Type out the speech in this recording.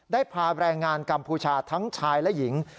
ได้พาแรงงานกัมพูชาทั้งชายและหญิง